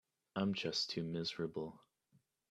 I'm just too miserable.